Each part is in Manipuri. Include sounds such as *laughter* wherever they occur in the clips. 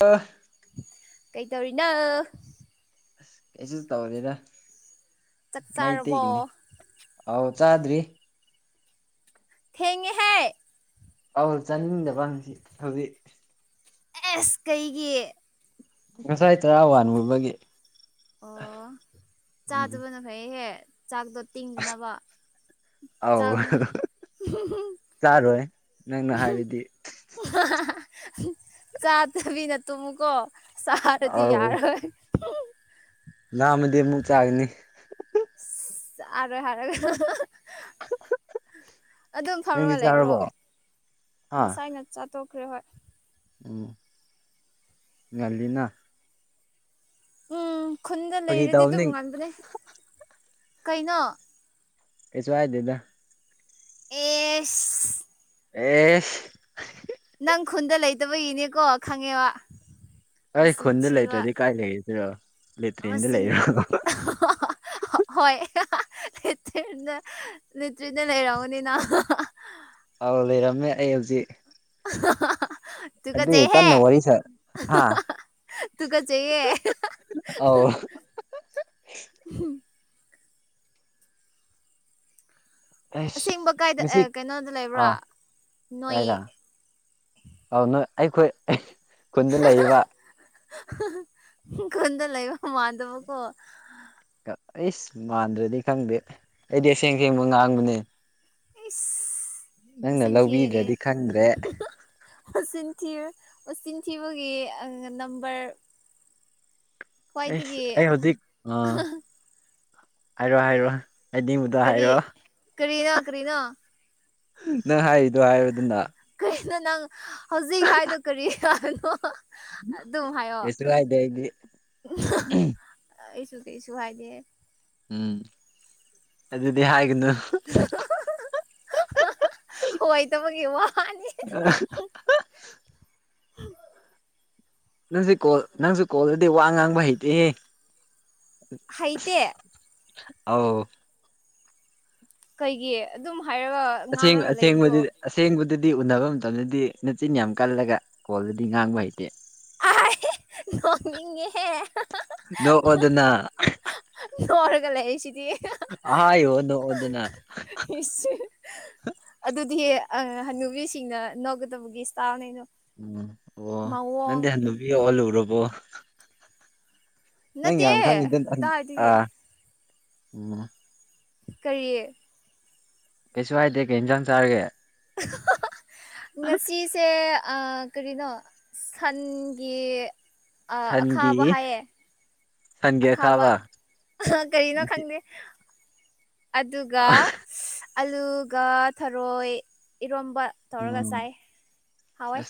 ꯑ ꯀꯩꯇꯧꯔꯤꯅ ꯑ ꯀꯩꯁꯨ ꯇꯧꯔꯦꯗ ꯆꯥꯛ ꯆꯥꯔꯕꯣ ꯃꯥꯏꯇꯩꯅꯤ ꯑꯥꯎ ꯆꯥꯗ꯭ꯔꯤ ꯊꯦꯡꯉꯤ ꯍꯦ ꯑꯧ ꯆꯥꯅꯤꯡꯗꯕꯪꯁꯤ ꯍꯧꯖꯤꯛ ꯑꯦꯁ ꯀꯩꯒꯤ ꯉꯁꯥꯏ ꯇꯔꯥ ꯋꯥꯟꯃꯨꯕꯒꯤ ꯑꯣ ꯎꯝ ꯆꯥꯗꯕꯅ ꯐꯩꯍꯦ ꯆꯥꯛꯗꯣ ꯇꯤꯡꯗꯅꯕ ꯑꯧ ꯆꯥꯛꯅ ꯆꯥꯔꯣꯏ ꯅꯪꯅ ꯍꯥꯏꯔꯗꯤ ꯆꯥꯇ ꯅ ꯇꯨꯃꯨꯀꯣ ꯆꯍꯔꯗꯤ ꯑꯧ ꯌꯥꯔ ꯍꯣꯏ ꯂꯥꯝꯃꯗꯤ ꯑꯃꯨꯛ ꯆꯥꯒꯅꯤ ꯑꯗꯨ ꯍꯥꯏ ꯑꯗꯨꯝ ꯅꯪꯗꯤ ꯐꯝꯔꯒ ꯆꯥꯔꯕꯣ ꯂꯩꯔꯣ ꯍꯥ ꯉꯁꯥꯏꯅ ꯆ ꯇꯧꯈ꯭ꯔꯦ ꯍꯣꯏ ꯎꯝ ꯌꯥꯂꯤꯅ ꯎꯝ ꯈꯨꯟꯗ ꯐꯥꯒꯤ ꯂꯩꯔꯗꯤ ꯑꯗꯨꯝ ꯇꯧꯕꯅꯤ ꯉꯥꯟꯕꯅꯦ ꯀꯩꯅꯣ ꯀꯩꯁꯨ ꯍꯥꯏꯗꯦꯗ ꯑꯦ ꯑꯦ ꯅꯪ ꯈꯨꯟꯗ ꯂꯩꯇꯕꯒꯤꯅꯦꯀꯣ ꯈꯪꯉꯦꯕ ꯑꯩꯣꯏ ꯃꯁꯤꯡ ꯈꯣꯟꯗ ꯂ ꯊꯤꯕ ꯂꯩꯇꯗꯤ ꯀꯥꯏ ꯂꯩ꯭ꯔꯣ ꯍꯣꯏ ꯅꯇ꯭ꯅ ꯅꯇ꯭ꯔꯤꯅ ꯂꯩꯔꯥꯎꯅꯤꯅ ꯑꯥꯎ ꯂꯩꯔꯝꯃꯦ ꯑꯩ ꯍꯧꯖꯤꯛ ꯑꯗꯨꯒꯤ ꯇꯨꯀꯠꯆꯩꯍꯦ ꯀꯟꯅ ꯋꯥꯔꯤ ꯁꯥ ꯍꯥ ꯇꯨ ꯀꯠꯆꯩꯌꯦ *inaudible* ꯑꯧ ꯑꯩꯁ ꯑꯁꯦꯡꯕ ꯀꯥꯏꯗ ꯉꯁꯤ ꯀꯩꯅꯣꯗ ꯂꯩꯕ꯭ꯔꯥ ꯑꯥ ꯅꯣꯏ ꯑꯥꯎ ꯅꯣꯏ ꯑꯩꯈꯣꯏ ꯈꯨꯟꯗ ꯂꯩꯌꯦꯕ ꯈꯨꯟꯗ ꯂꯩꯕ ꯃꯥꯟꯗꯥꯕꯀꯣ ꯑꯩꯁ ꯃꯥꯟꯗ꯭ꯔꯗꯤ ꯈꯪꯗꯦ ꯑꯩꯗꯤ ꯑꯁꯦꯡ ꯁꯦꯡꯕ ꯉꯥꯡꯕꯅꯦ ꯑꯦ ꯅꯪꯅ ꯂꯧꯕꯤꯗ꯭ꯔꯗꯤ ꯈꯪꯗ꯭ꯔꯦ ꯊꯤꯟ ꯊꯕꯒꯤ ꯑ ꯅꯝꯕꯝꯕꯔ ꯑꯦ ꯑꯩ ꯍꯧꯖꯤꯛ ꯑ ꯍꯥꯏꯔꯣ ꯍꯥꯏꯔꯣ ꯑꯩꯗꯤꯕꯨꯗ ꯍꯥꯏꯔꯣ ꯀ꯭ꯔꯦꯗꯣ ꯅꯪ ꯍꯥꯏꯔꯤꯗꯣ ꯍꯥꯏꯕꯗꯨꯅ ꯀꯔꯤꯅꯣ ꯅꯪ ꯍꯧꯖꯤꯛ ꯍꯥꯏꯗꯣ ꯀꯔꯤ ꯀꯅꯣ ꯑꯗꯨꯝ ꯍꯥꯏꯌꯣ ꯀꯩꯁꯨ ꯍꯥꯏꯗꯦ ꯑꯩꯗꯤ ꯀꯩꯁꯨ ꯍꯥꯏꯗꯤꯦ ꯎꯝ ꯑꯗꯨꯗꯤ ꯍꯥꯏꯒꯅ *unintelligible* ꯑ‌ꯣꯏꯗꯕꯒꯤ ꯋꯥꯅꯤ *unintelligible* ꯅꯪꯁꯨ ꯀꯣꯜ ꯅꯪꯁꯨ ꯀꯣꯜꯂꯗꯤ ꯋꯥ ꯉꯥꯡꯕ ꯍꯩꯇꯦ ꯍꯩꯇ ꯑꯥꯎ ꯀꯩꯒꯤ ꯑꯗꯨꯝ ꯍꯥꯏꯔꯒ ꯑꯁꯦꯡ ꯉꯥꯡꯔꯒ ꯂꯩꯕꯗꯣ ꯑꯁꯦꯡꯁꯦꯡ ꯑꯗꯨꯗꯤ ꯎꯅꯕ ꯃꯇꯝꯗꯗꯤ ꯅꯆꯤꯟ ꯌꯥꯝ ꯀꯜꯂꯒ ꯀꯣꯜꯗꯗꯤ ꯉꯥꯡꯕ ꯍꯩꯇꯦ ꯑꯥꯏ ꯅꯣꯛꯅꯤꯡꯉꯦꯍꯦ ꯅꯣꯛꯑꯣ ꯑꯗꯨꯅ ꯁꯤꯗ ꯂꯩꯁꯤꯗꯤ ꯅꯣꯛꯑꯣꯗꯅ ꯑꯗꯨꯗꯤ ꯑ ꯍꯅꯨꯕꯤꯁꯤꯡꯅ ꯅꯧꯒꯗꯕꯒꯤ ꯁ꯭ꯇꯥꯏꯜꯅꯤꯗ ꯎꯝ ꯑꯣ ꯅꯪꯗꯤ ꯍꯅꯨꯕꯤ ꯑꯣꯜꯂꯨꯔꯕꯣ ꯅꯪ ꯅꯠꯇꯦ ꯌꯥꯝ ꯈꯥꯡꯉꯗ ꯀꯥꯏꯗꯒꯤ ꯑꯥ ꯎꯝ ꯀꯔꯤꯌꯦ ꯀꯩꯁꯨ ꯍꯥꯏꯥꯏꯗꯦ ꯀꯦ ꯏꯟꯖꯥꯡ ꯆꯥꯔꯒꯦ ꯉꯁꯤꯁꯦ ꯀꯔꯤꯅꯣ ꯁꯟꯒꯤ ꯁꯟꯒꯤ ꯑꯈꯥꯕ ꯍꯥꯏꯌꯦ ꯑꯈꯥꯕ ꯀꯔꯤꯅꯣ ꯈꯪꯗꯦ ꯑꯗꯨꯒ ꯑꯂꯨꯒ ꯊꯔꯣꯏ ꯏꯔꯣ ꯕ ꯇꯧꯔꯒ ꯆꯥꯏ ꯍꯥꯎꯋꯦ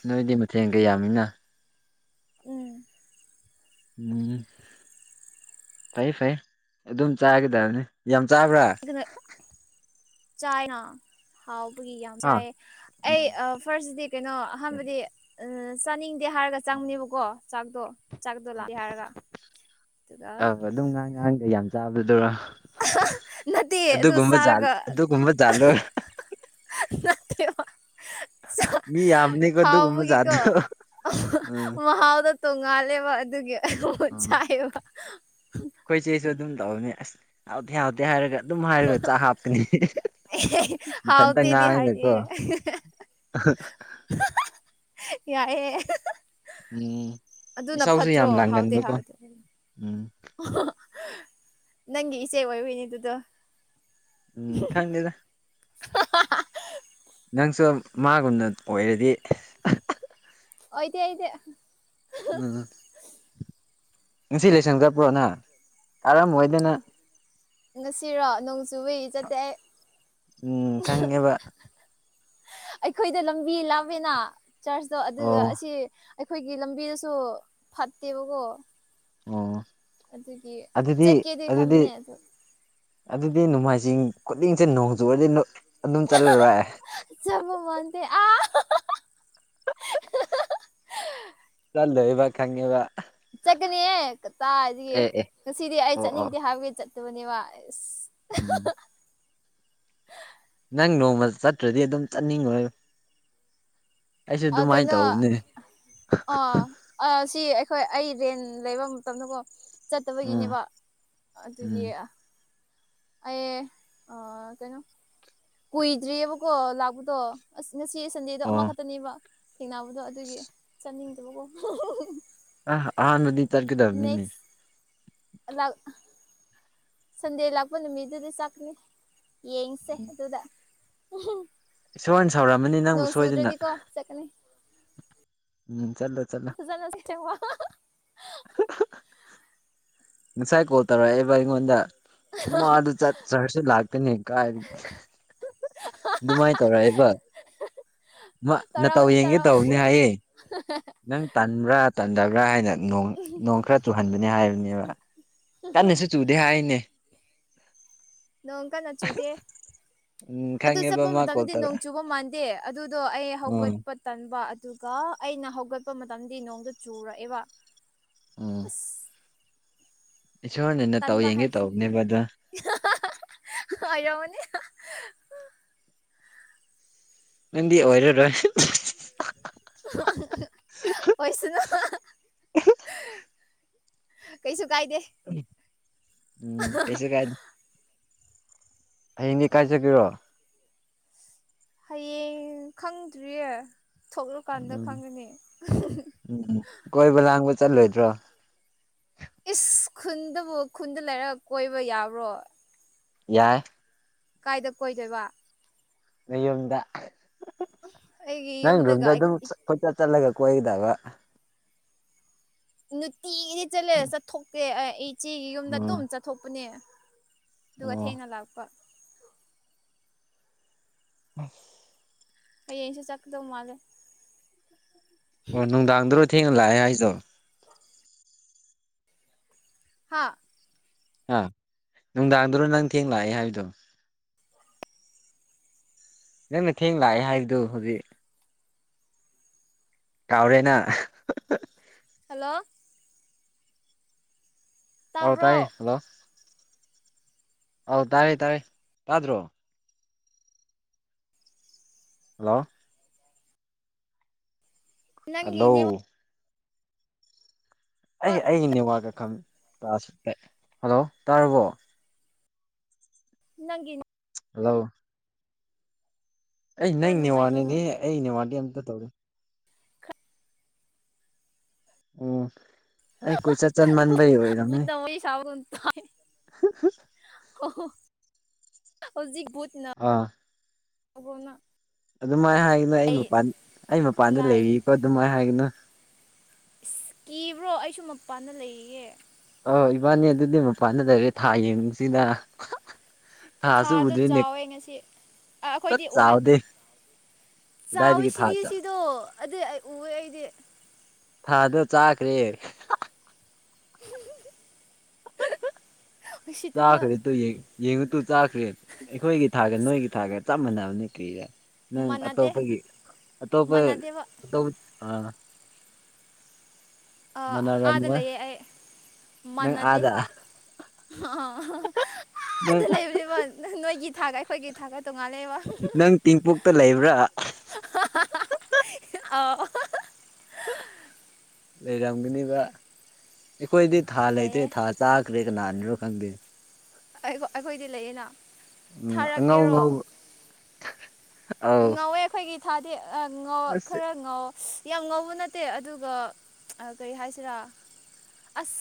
ꯊꯦꯡꯒ ꯌꯥꯃꯤꯅ ꯎꯝ ꯎꯝ ꯐꯩ ꯐꯩ ꯑꯗꯨꯝ ꯆꯥꯒꯗꯕꯅꯤ ꯌꯥꯝ ꯇꯥꯕ꯭ꯔꯥ ꯆꯥꯏ ꯍꯥꯎ ꯒꯤ ꯌꯥꯝ ꯍꯥ ꯆꯥꯏꯌꯦ ꯑꯩ ꯐꯥꯔꯁꯗꯤ ꯀꯩꯅꯣ ꯑꯍꯥꯟꯕꯗꯤ ꯆꯥꯅꯤꯡ ꯗꯤ ꯍꯥꯏꯔꯒ ꯆꯪꯕꯅꯦꯕꯀꯣ ꯆꯥꯛꯇꯣ ꯆꯥꯛꯇꯣ ꯂꯥꯛꯑꯦ ꯍꯥꯏꯔꯒ ꯑꯗꯨꯒ ꯑꯥꯎ ꯑꯗꯨꯝ ꯉꯥꯡ ꯉꯥꯡꯒ ꯌꯥꯝ ꯆꯥꯕꯗꯨꯔꯣ ꯅꯠꯇꯦ ꯑꯗꯨ ꯑꯗꯨꯒꯨꯝꯕ ꯖꯥꯠ ꯆꯥꯔꯒ ꯑꯗꯨꯒꯨꯝꯕ ꯖꯥꯠꯂꯣ ꯅꯅꯥ ꯃꯤ ꯌꯥꯝꯕꯅꯤꯀꯣ ꯑꯗꯨꯒꯨꯝꯕ ꯍꯥꯎꯥꯎꯕꯨꯒꯤ ꯀ ꯖꯥꯠꯇꯣ ꯎꯝ ꯃꯍ ꯍꯥꯎꯗ ꯇꯣꯡꯉꯥꯜꯂꯦꯕ ꯑꯗꯨꯒꯤꯣꯠ ꯆꯥꯏꯑꯕ ꯑꯩꯈꯣꯏꯆꯦꯁꯨ ꯑꯗꯨꯝ ꯇꯧꯅꯤ ꯑꯁ ꯍꯥꯎꯗꯦ ꯍꯥꯎꯗꯦ ꯍꯥꯏꯔꯒ ꯑꯗꯨꯝ ꯍꯥꯏꯔꯒ ꯆꯥꯛ ꯍꯥꯞꯀꯅꯤ ꯃꯊꯟꯇ ꯍꯥꯎꯇꯦꯗꯤ ꯍꯥꯏꯗꯦ ꯉꯥꯡꯉꯒꯦꯀꯣ ꯑ ꯌꯥꯏꯏꯦ ꯎꯝ ꯑꯗꯨꯅ ꯏꯁꯧꯁꯨ ꯐꯠꯇ꯭ꯔꯣ ꯌꯥꯝ ꯍꯥꯎꯇꯦ ꯂꯥꯡꯒꯟꯕꯀꯣ ꯍꯥꯎꯇꯦ ꯎꯝ ꯅꯪꯒꯤ ꯏꯆꯦ ꯑꯣꯏꯔꯨꯅꯦ ꯑꯗꯨꯗ ꯎꯝ ꯈꯪꯗꯗ *unintelligible* ꯅꯪꯁꯨ ꯃꯥꯒꯨꯝꯅ ꯑꯣꯏꯔꯗꯤ ꯑꯣꯏꯗꯤ ꯑꯩꯗꯤ ꯎꯝ ꯉꯁꯤ ꯂꯩꯁꯪ ꯆꯠꯄ꯭ꯔꯣꯅ ꯀꯔꯝ ꯑꯣꯏꯣꯏꯗꯅ ꯉꯁꯤꯔꯣ ꯅꯣꯡ ꯆꯨꯕꯏ ꯆꯠꯇꯦ ꯎꯝ ꯈꯪꯉꯦꯕ ꯑꯩꯈꯣꯏꯗ ꯂꯝꯕꯤ ꯂꯥꯞꯃꯦꯅ ꯆꯥꯔꯖꯇꯣ ꯑꯗꯨꯒ ꯑꯣ ꯑꯁꯤ ꯑꯩꯈꯣꯏꯒꯤ ꯂꯝꯕꯤꯗꯁꯨ ꯐꯠꯇꯦꯕꯀꯣ ꯑꯣ ꯑꯗꯨꯒꯤ ꯑꯗꯨꯗꯤ ꯆꯠꯀꯦꯗꯤ ꯈꯕꯅꯦ ꯑꯗꯨꯗꯤ ꯑꯗꯣ ꯑꯗꯨꯗꯤ ꯅꯣꯡꯃꯥꯏꯖꯤꯡ ꯈꯨꯗꯤꯡꯁꯦ ꯅꯣꯡꯖꯨꯨꯔꯗꯤ ꯆꯃ ꯃꯣꯟꯗ ꯑ *inaudible* ꯆꯜꯗꯦ ꯏꯕ ꯈꯪꯕ ꯆꯠꯀꯅꯤꯌ‌ꯦ ꯀꯇꯥꯏꯇꯒꯤ ꯑꯦ ꯑꯦ ꯉꯁꯤꯗꯤ ꯑꯩ ꯑꯣ ꯑꯣ ꯆꯠꯅꯤꯡꯗꯦ ꯍꯥꯏꯕꯒꯤ ꯆꯠꯇꯕꯅꯦꯕ ꯑꯁ ꯎꯝ ꯅꯪ ꯅꯣꯡꯃ ꯆꯠꯇ꯭ꯔꯗꯤ ꯑꯗꯨꯝ ꯆꯠꯅꯤꯡꯉꯣꯏ ꯑꯩꯁꯨ ꯑ ꯑꯗꯨꯃꯥꯏꯅ ꯀꯩꯅꯣ ꯇꯧꯕꯅꯦ ꯑ ꯁꯤ ꯍꯣꯏ ꯑꯩ ꯔꯦꯟ ꯂꯩꯕ ꯃꯇꯝꯗꯀꯣ ꯎꯝ ꯆꯠꯇꯕꯒꯤꯅꯦꯕ ꯑꯗꯨꯒꯤ ꯎꯝ ꯑ ꯑꯦ ꯑ ꯀꯩꯅꯣ ꯀꯨꯏꯗ꯭ꯔꯤꯑꯕꯀꯣ ꯂꯥꯛꯄꯗꯣ ꯑꯁ ꯉꯁꯤ ꯁꯟꯗꯦꯗꯣ ꯑꯣ ꯑꯃꯈꯛꯇꯅꯦꯕ ꯊꯦꯡꯅꯕꯗꯣ ꯑꯗꯨꯒꯤ ꯆꯠꯅꯤꯡꯗꯕꯀꯣ ꯑ ꯑꯥ ꯅꯗꯤ ꯇꯔ ꯀꯗꯕꯅꯤꯅꯦ ꯅꯦꯛꯁ ꯂꯥꯛ ꯁꯟꯗꯦ ꯂꯥꯛꯄ ꯅꯨꯃꯤꯠꯗꯨꯗꯤ ꯆꯥꯛꯀꯅꯤ ꯌꯦꯡꯁꯦ ꯑꯗꯨꯗ ꯏꯁꯣꯔꯅ ꯁꯥꯎꯔꯝꯃꯅꯤ ꯅꯪꯕꯨ ꯅꯣꯡ ꯁꯣꯏꯗꯅ ꯆꯨꯗ꯭ꯔꯗꯤꯀꯣ ꯆꯠꯀꯅꯤ ꯎꯝ ꯆꯠꯂꯣ ꯆꯠꯂꯣ ꯑꯖꯅ ꯁꯤꯇ ꯋꯥ ꯁꯥꯏ ꯀꯣꯇꯥꯔꯕ ꯏꯪꯣꯟꯟ ꯃ ꯑꯗꯨ ꯆ ꯆꯔꯁꯨ ꯂꯥꯛꯇꯅꯤ ꯀ ꯑꯗꯨꯃꯥꯏꯅ ꯇꯧꯔꯛꯑꯦꯕ ꯃꯇꯧ ꯇꯧꯔꯛꯑꯣꯅꯤ ꯌꯦꯡꯒꯦ ꯇꯧꯔꯛꯑꯣꯅꯤ ꯇꯧꯕꯅꯤ ꯍꯥꯏꯌꯦ ꯅꯪ ꯇꯟꯕ꯭ꯔꯥ ꯇꯟꯗꯕ꯭ꯔꯥ ꯍꯥꯏꯅ ꯅꯣꯡ ꯅꯣꯡ ꯈꯔ ꯆꯨꯍꯟꯕꯅꯦ ꯍꯥꯏꯕꯅꯦꯕ ꯀꯟꯅꯁꯨ ꯆꯨꯗꯦ ꯍꯥꯏꯔꯤꯅꯦ ꯅꯣꯡꯀ ꯅꯆꯨꯗꯦ ꯎꯝ ꯑꯗꯨ ꯈꯪꯉꯦꯕ ꯆꯠꯄ ꯃꯥ ꯀꯣꯜ ꯃꯇꯝꯗꯤ ꯅꯣꯡ ꯇꯧꯔꯛꯑꯦ ꯆꯨꯕ ꯃꯥꯟꯗꯦ ꯑꯗꯨꯗꯣ ꯑꯩ ꯎꯝ ꯍꯧꯒꯠꯄ ꯇꯟꯕ ꯑꯗꯨꯒ ꯑꯩꯅ ꯍꯧꯒꯠꯄ ꯃꯇꯝꯗꯤ ꯅꯣꯡꯗ ꯆꯨꯔꯛꯑꯦꯕ ꯎꯝ ꯏꯁꯣꯔꯅꯅ ꯇꯧ ꯇꯟꯕ ꯌꯦꯡꯒꯦ ꯍꯥꯏꯕꯁꯤꯅꯤ ꯇꯧꯕꯅꯦꯕ ꯑꯗ ꯑꯣꯏꯔꯝꯃꯅꯤ ꯅꯗꯤ ꯑꯣꯏꯔꯔꯣꯏ ꯑꯣꯈꯣꯏꯁꯨꯅ ꯀꯩꯁꯨ ꯀꯥꯏꯗꯦ ꯎꯝ ꯍ ꯀꯥꯏ ꯆ ꯀꯔꯣ ꯍꯌꯦꯡ ꯈꯪꯗ꯭ꯔꯤꯌꯦ ꯊꯣꯛꯂꯛꯀꯥꯟꯗ ꯎꯝ ꯈꯪꯒꯅꯤ ꯎꯝ ꯀꯣꯏꯕ ꯂꯥꯡꯕ ꯆꯠꯂꯣꯏꯗ꯭ꯔꯣ ꯏꯁ ꯈꯨꯟꯗꯕꯨ ꯈꯨꯟꯗ ꯂꯩꯔ ꯀꯣꯏꯕ ꯌꯥꯕ꯭ꯔꯣ ꯌꯥꯏ ꯀꯥꯏꯗ ꯀꯣꯏꯗꯣꯏꯕ ꯅ ꯌꯨꯝꯗ ꯑꯩꯒꯤ ꯅꯪ ꯌꯨꯝꯗꯒ ꯌꯣꯝꯗ ꯑꯗꯨꯝ ꯈꯣꯏꯆꯠ ꯆꯠꯂꯒ ꯀꯣꯏꯗꯕ ꯅꯨꯡꯇꯤꯒꯤꯗꯤ ꯆꯠꯂꯦ ꯆꯠꯊꯣꯛꯀꯦ ꯑꯩ ꯏꯆꯦꯒꯤ ꯌꯨꯝꯗ ꯎꯝ ꯑꯗꯨꯝ ꯆꯠꯊꯣꯛꯄꯅꯦ ꯑꯗꯨꯒ ꯑꯣ ꯊꯦꯡꯅ ꯂꯥꯛꯄ ꯎꯝ ꯍꯌꯦꯡꯁ‌ꯦ ꯆꯠꯀꯗꯧ ꯃꯥꯜꯂꯦ ꯑꯣ ꯅꯨꯡꯗꯥꯡꯗꯔꯣꯏ ꯊꯦꯡꯅ ꯂꯥꯛꯑꯦ ꯍꯥꯏꯁꯣ ꯍꯥ ꯑꯥ ꯅꯨꯡꯗꯥꯡꯗꯨꯔꯣ ꯅꯪ ꯊꯦꯡ ꯂꯥꯛꯑꯦ ꯍꯥꯏꯕꯗꯣ ꯅꯪꯅ ꯊꯦꯡ ꯂꯥꯛꯑꯦ ꯍꯥꯏꯗꯨ ꯍꯧꯖꯤꯛ ꯀꯥꯎꯔꯦꯅ ꯍꯜꯂꯣ ꯑꯥꯎ ꯇꯥꯕ꯭ꯔꯣ ꯇꯥꯏ ꯍꯜꯂꯣ ꯑꯧ ꯇꯥꯔꯦ ꯇꯥꯔꯦ ꯇꯥꯗ꯭ꯔꯣ ꯍꯜꯂꯣ ꯅꯪꯒꯤ ꯍꯜꯂꯣ ꯑꯩ ꯅꯦꯠꯋꯥꯛ ꯑꯩꯒꯤ ꯅꯦꯋꯥꯛꯀ ꯍꯜꯂꯣ ꯇꯥꯔꯕꯣ ꯅꯪꯒꯤ ꯍꯜꯂꯣ ꯑꯩ ꯈꯔ ꯅꯪ ꯅꯨꯡꯉꯥꯏꯇꯕ ꯅꯦꯠꯋꯥꯛꯅꯤꯅꯦ ꯑꯩꯅꯦꯠꯋꯥꯛꯇꯤ ꯑꯝꯇ ꯇꯧꯗꯦ ꯑꯣ ꯑꯩ ꯀꯣꯏ ꯆꯠ ꯆꯟ ꯃꯥꯟꯕꯩ ꯑꯣꯏꯔꯝꯃꯦ ꯕꯨꯠꯅ ꯋꯥꯔꯤ ꯁꯥꯕꯒꯨꯝ ꯇꯥꯏ ꯍꯧꯖꯤꯛ ꯕꯨꯠꯅ ꯑꯥ ꯑꯗꯨꯃꯥꯏꯅ ꯍꯥꯏꯒꯅꯣ ꯑꯩ ꯃꯄꯥꯟ ꯑꯩ ꯃꯄꯥꯟꯗ ꯂꯥꯏ ꯂꯩꯔꯤꯀꯣ ꯑꯗꯨꯃꯥꯏꯅ ꯍꯥꯏꯒꯅꯣ ꯏꯁ ꯀꯤꯕ꯭ꯔꯣ ꯑꯩꯁꯨ ꯃꯄꯥꯟꯗ ꯂꯩꯔꯤꯌꯦ ꯑꯣ ꯏꯕꯅꯤ ꯑꯗꯨꯗꯤ ꯃꯄꯥꯟꯗ ꯂꯩꯔꯦ ꯊꯥ ꯌꯦꯡꯁꯤꯗ ꯊꯥꯗ ꯆꯥꯎꯋꯦ ꯉꯁꯤ ꯄꯨꯂꯞ ꯑꯩꯈꯣꯏꯗꯤ ꯎꯑꯦ ꯆꯥꯎꯗꯦ ꯆꯥꯎꯋꯦ ꯀꯗꯥꯏꯗꯒꯤ ꯊꯥ ꯁꯤꯗꯤ ꯁꯤꯗꯣ ꯑꯗꯨ ꯑꯩ ꯎꯑꯦ ꯑꯩꯗꯤ ꯊꯥꯗꯣ ꯆꯥꯈ꯭ꯔꯦ *inaudible* ꯎꯁꯤꯠꯇꯕ ꯆꯥꯈ꯭ꯔꯦ ꯇ ꯌꯦꯡꯉꯨ ꯇꯨ ꯆꯥꯈ꯭ꯔꯦ ꯑꯩꯈꯣꯏꯒꯤ ꯊꯥꯒ ꯅꯣꯏꯒꯤ ꯊꯥꯒ ꯆꯞ ꯃꯥꯟꯅꯕ ꯅꯤ ꯀꯔꯤꯔ ꯅꯪ ꯃꯥꯟꯅꯗꯦ ꯑꯇꯣꯞꯄꯒꯤ ꯑꯇꯣꯞꯄ ꯃꯥꯟꯅꯗꯦꯕ ꯑꯇꯣꯞ ꯑ ꯑꯥꯗ ꯃꯥꯟꯅꯔꯝꯃꯣꯏ ꯂꯩꯌꯦ ꯑꯩ ꯅꯪ ꯃꯥꯟꯅꯗꯦ ꯑꯥꯗ ꯑ ꯅꯪ ꯑꯗ ꯂꯩꯕꯅꯦꯕ ꯅꯣꯏꯒꯤ ꯊꯥꯒ ꯑꯩꯈꯣꯏꯒꯤ ꯊꯥꯒ ꯇꯣꯉꯥꯜꯂꯦꯕ ꯅꯪ ꯇꯦꯡꯄꯣꯛꯇ ꯂꯩꯕ꯭ꯔꯥ ꯑꯥꯎ ꯂꯩꯔꯝꯒꯅꯤꯕ ꯑꯩꯈꯣꯏꯗꯤ ꯊꯥ ꯂꯩꯇꯦ ꯂꯩꯌꯦ ꯊꯥ ꯆꯥꯈ꯭ꯔꯦ ꯀꯅꯥꯅꯔꯣ ꯈꯪꯗꯦ ꯑꯩꯈꯣꯏꯗꯤ ꯂꯩꯌꯦꯅ ꯎꯝ ꯑꯉꯧ ꯊꯥꯔꯛꯀꯦꯔꯣ ꯉꯧꯕ ꯑꯧ ꯉꯧꯋꯦ ꯑꯩꯈꯣꯏꯒꯤ ꯊꯥꯗꯤ ꯉ ꯑꯁ ꯈꯔ ꯉꯧꯋꯦ ꯌꯥꯝ ꯉꯧꯕ ꯅꯠꯇꯦ ꯑꯗꯨꯒ ꯀꯔꯤ ꯍꯥꯏꯁꯤꯔꯥ ꯑꯁ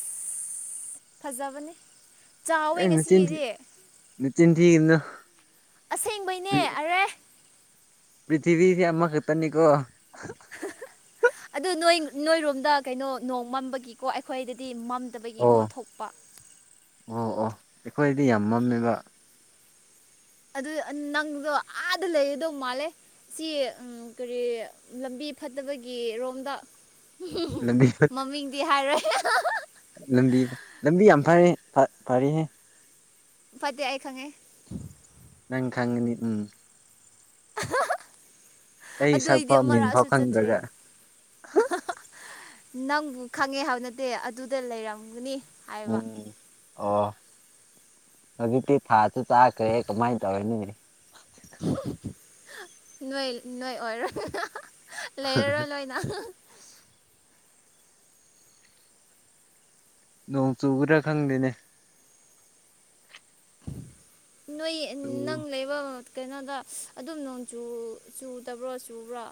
ꯐꯖꯕꯅꯦ ꯆꯥꯎꯋꯦ ꯑꯦ ꯅꯆꯤꯟ ꯉꯁꯤꯒꯤꯗꯤ ꯅꯆꯤꯟ ꯊꯤꯒꯅꯨ ꯑꯁꯦꯡꯕꯩꯅꯦ ꯑꯔꯦ ꯄ꯭ꯔꯤꯊꯤꯕꯤꯁꯤ ꯑꯃꯛ ꯈꯛꯇꯅꯤꯀꯣ ꯑꯗꯨ ꯅꯣꯏ ꯅꯣꯏꯔꯣꯝꯗ ꯀꯩꯅꯣ ꯅꯣꯡ ꯃꯝꯕꯒꯤꯀꯣ ꯑꯩꯈꯣꯏꯗꯗꯤ ꯃꯝꯗꯕꯒꯤꯀꯣ ꯑꯣ ꯊꯣꯛꯄ ꯑꯣ ꯑꯣ ꯑꯩꯈꯣꯏꯗꯤ ꯌꯥꯝ ꯃꯝꯃꯤꯕ ꯑꯗꯨꯗ ꯅꯪ ꯑꯗ ꯂꯩꯔꯤꯗꯣ ꯃꯥꯜꯂꯦ ꯁꯤ ꯀꯔꯤ ꯂꯝꯕꯤ ꯐꯠꯇꯕꯒꯤ ꯔꯣꯝꯗ ꯂꯝꯕꯤ ꯃꯃꯤꯡꯗꯤ ꯍꯥꯏꯔꯣꯏ ꯂꯝꯕꯤ ꯂꯝꯕꯤ ꯌꯥꯝ ꯐꯩ ꯐꯔꯤ ꯐꯠꯇꯦ ꯑꯩ ꯈꯪꯉꯦ ꯅꯪ ꯈꯪꯒꯅꯤ ꯎꯝ *inaudible* ꯑꯩ ꯑꯗꯨ ꯑꯩꯗꯤ ꯁꯛꯐꯥꯎ ꯃꯤꯡ ꯐꯥꯎ ꯑꯃꯔꯛꯁꯨ ꯆꯠꯇ꯭ꯔꯤꯌꯦ ꯈꯪꯗ꯭ꯔꯒ ꯅꯪꯕꯨ ꯈꯪꯉꯦ ꯍꯥꯏꯕ ꯅꯠꯇꯦ ꯑꯗꯨꯗ ꯂꯩꯔꯝꯒꯅꯤ ꯍꯥꯏꯕ ꯎꯝ ꯑꯣ ꯍꯧꯖꯤꯛꯇꯤ ꯊꯥꯁꯨ ꯇꯥꯈ꯭ꯔꯦ ꯀꯃꯥꯏꯅ ꯇꯧꯔꯅꯤꯅꯦ ꯅꯣꯏ ꯅꯣꯏ ꯑꯣꯏꯔꯣꯏ ꯂꯩꯔꯔꯣꯏ ꯂꯣꯏꯅ ꯅꯣꯡ ꯆꯨꯕ꯭ꯔꯥ ꯈꯪꯗꯦꯅꯦ ꯅꯣꯏ ꯅꯪ ꯂꯩꯕ ꯀꯩꯅꯣꯗ ꯑꯗꯨꯝ ꯅꯣꯡ ꯆꯨꯗꯕ꯭ꯔꯣ ꯆꯨꯕ꯭ꯔꯣ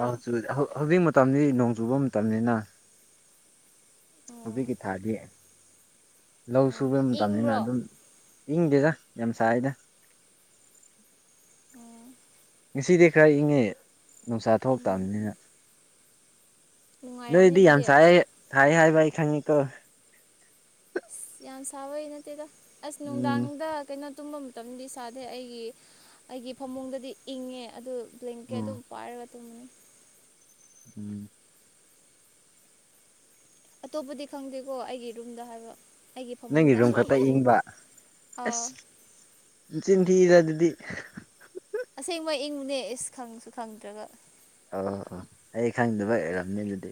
ꯑꯧ ꯍꯧꯖꯤꯛ ꯃꯇꯝꯗꯤ ꯅꯣꯡ ꯆꯨꯕ ꯃꯇꯝꯅꯤꯅ ꯑꯣ ꯍꯧꯕꯤꯀꯤ ꯊꯥꯗꯤ ꯂꯧ ꯑꯣ ꯁꯨꯕ ꯃꯇꯝꯅꯤꯅ ꯏꯪꯕ꯭ꯔꯣ ꯑꯗꯨꯝ ꯏꯪꯗꯦꯗ ꯌꯥꯝ ꯁꯥꯏꯗ ꯑꯣ ꯉꯁꯤꯗꯤ ꯈꯔ ꯏꯪꯉꯦ ꯅꯨꯡꯁꯥ ꯎꯝ ꯊꯣꯛꯂꯛꯇꯕꯅꯤꯅ ꯅꯨꯡꯉꯥꯏꯔꯝꯅꯤ ꯂꯣꯏꯗꯤ ꯌꯥꯝ ꯑꯗꯨꯗꯤ ꯁꯥꯏ ꯁꯥꯏ ꯍꯥꯏꯕ ꯑꯩ ꯈꯪꯉꯤꯀꯣ ꯑꯁ ꯌꯥꯝ ꯁꯥꯕꯩ ꯅꯠꯇꯦꯗ ꯑꯁ ꯎꯝ ꯅꯨꯡꯗꯥꯡꯗ ꯀꯩꯅꯣ ꯇꯨꯝꯕ ꯃꯇꯝꯗꯤ ꯁꯥꯗꯦ ꯑꯩꯒꯤ ꯑꯩꯒꯤ ꯐꯃꯨꯡꯗꯗꯤ ꯏꯪꯉꯦ ꯑꯗꯨ ꯂ꯭ꯂꯀꯦ ꯎꯝ ꯑꯗꯨꯝ ꯄꯥꯏꯔꯒ ꯇꯝ ꯎꯝ ꯑꯇꯣꯞꯄꯗꯤ ꯈꯪꯗꯦꯀꯣ ꯑꯩꯒꯤ ꯔꯨꯝꯗ ꯍꯥꯏꯕ ꯑꯩꯒꯤ ꯅꯪꯒꯤ ꯐꯃꯨꯡꯗ ꯔꯨꯝ ꯈꯛꯇ ꯏꯪꯕ ꯑꯦꯁ ꯑꯥ ꯆꯤꯟꯊꯤꯔ ꯑꯗꯨꯗꯤ ꯑꯁꯦꯡꯕ ꯏꯪꯉꯨꯅꯦ ꯏꯁ ꯈꯪꯁꯨ ꯈꯪꯗ꯭ꯔꯒ ꯑꯣ ꯑꯣ ꯑꯩ ꯈꯪꯗꯕ ꯏꯔꯝꯅꯦ ꯑꯗꯨꯗꯤ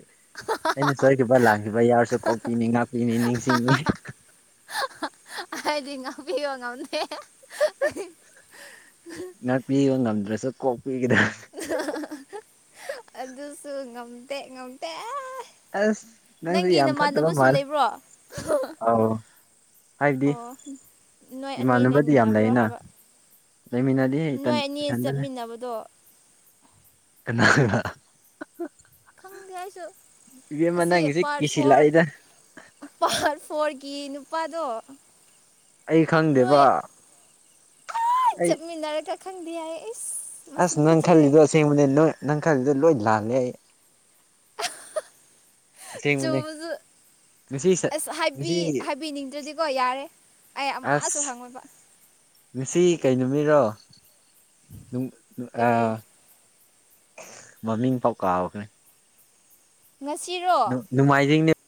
ꯑꯩꯅ ꯁꯣꯈꯤꯕ ꯂꯥꯛꯈꯤꯕ ꯌꯥꯎꯔꯁꯨ ꯀꯣꯛꯄꯤꯅꯤ ꯉꯥꯛꯄꯤꯅꯤ ꯅꯤꯡꯁꯤꯡꯅꯤ ꯍꯥꯏꯗꯤ ꯉꯥꯛꯄꯤꯕ ꯉꯝꯗꯦ ꯅ ꯄꯤꯕ ꯉꯞꯗ꯭ꯔꯁꯨ ꯀꯣ ꯑꯗꯨꯁꯨ ꯉꯝꯗꯦ ꯉꯝꯗꯦ ꯑꯁ ꯅꯪꯁꯨ ꯅꯪꯒꯤ ꯌꯥꯝ ꯐꯠꯇꯕ ꯅꯃꯥꯟꯅꯕꯁꯨ ꯃꯥꯜꯂꯦ ꯂꯩꯕ꯭ꯔꯣ ꯑꯧ ꯍꯥꯏꯕꯗꯤ ꯑꯣ ꯅꯣꯏ ꯑꯅꯤ ꯏꯃꯥꯟꯅꯕꯗꯤ ꯌꯥꯝ ꯂꯩꯃꯤꯟꯅꯕ꯭ꯔꯣ ꯂꯩꯌꯦꯅ ꯍꯥꯏꯕ ꯂꯩꯃꯤꯟꯅꯗꯤ ꯏꯊꯟ ꯅꯣꯏ ꯑꯅꯦ ꯏꯊꯟꯗꯅꯦ ꯆꯠꯃꯤꯟꯅꯕꯗꯣ ꯀꯅꯥꯒ ꯈꯪꯗꯦ ꯍꯥꯏꯁꯨ ꯏꯕꯦꯝꯃ ꯑꯁꯤ ꯅꯪꯒꯤꯁꯤ ꯄꯥꯔꯠ ꯐꯣꯔ ꯀꯤꯁꯤꯜꯂꯛꯏꯗ ꯄꯥꯔ ꯐꯣꯔꯒꯤ ꯅꯨꯄꯥꯗꯣ ꯑꯩ ꯈꯪꯗꯦꯕ ꯑ ꯑꯩ ꯆꯠꯃꯤꯟꯅꯔꯒ ꯈꯪꯗꯤ ꯍꯥꯢ ꯑꯁ ꯅꯪ ꯈꯜꯂꯤꯗꯣ ꯑꯁꯦꯡꯕꯅꯦ ꯅꯣꯏ ꯅꯪ ꯈꯜꯂꯤꯗꯣ ꯂꯣꯏ ꯂꯥꯜꯂꯦ ꯑꯩ ꯑꯁꯦꯡꯕꯅꯦ ꯆꯣꯡꯁꯨ ꯉꯁꯤ ꯑꯁ ꯉꯁꯤ ꯍꯥꯏꯕꯤꯅꯤꯡꯗ꯭ꯔꯗꯤꯀꯣ ꯌꯥꯔꯦ ꯑꯩ ꯑꯃꯁꯨ ꯑꯁ ꯍꯪꯉꯨꯕ ꯉꯁꯤ ꯀꯩ ꯅꯨꯃꯤꯔꯣ ꯅꯨ ꯅꯨ ꯑ ꯀꯔꯤ ꯃꯃꯤꯡ ꯄꯥꯎ ꯀꯥꯈꯅꯤ ꯉꯁꯤꯔꯣ ꯅꯨ ꯅꯨꯡꯃꯥꯏꯖꯤꯡꯅꯤ